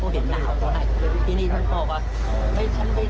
คุณยายไม่ได้เอาไฟหมดเลยค่ะ